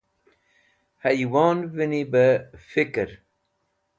Hẽywonvẽni bẽ fikẽr.